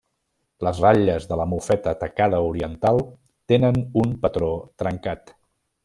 Les ratlles de la mofeta tacada oriental tenen un patró trencat.